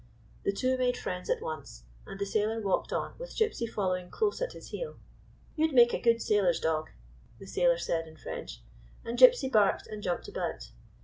The two made friends at once, and the sailor walked on with Gypsy following close at his heel. " You 'd make a good sailor's dog," the sailor said in French, and Gypsy barked and jumped about.